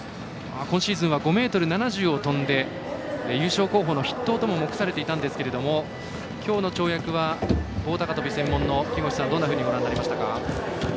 今シーズンは５ｍ７０を跳んで優勝候補の筆頭とも目されていたんですけどきょうの跳躍は棒高跳び専門の木越さん、どんなふうにご覧になりましたか？